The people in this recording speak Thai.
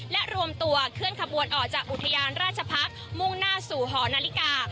และรวมตัวเคลื่อนขบวนออกจากอุทยานราชพักษ์มุ่งหน้าสู่หอนาฬิกา